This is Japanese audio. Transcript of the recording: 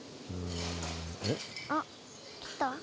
あっ来た？